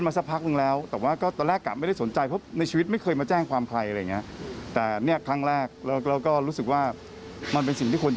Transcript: มีความมั่นใจขนาดว่าเป็นฝีมือของพวกคุณคนนี้